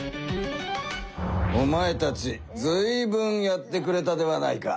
おまえたちずいぶんやってくれたではないか。